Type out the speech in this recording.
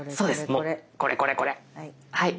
もうこれこれこれ。